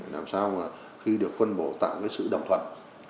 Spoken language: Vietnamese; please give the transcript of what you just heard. làm sao là khi được phân bổ tạo cái sự đồng thuận